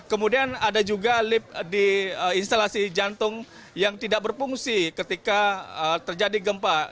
kemudian ada juga lift di instalasi jantung yang tidak berfungsi ketika terjadi gempa